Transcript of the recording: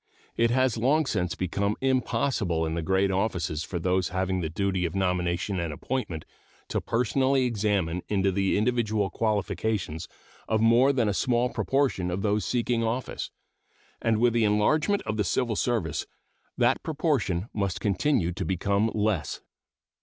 It has long since become impossible in the great offices for those having the duty of nomination and appointment to personally examine into the individual qualifications of more than a small proportion of those seeking office, and with the enlargement of the civil service that proportion must continue to become less.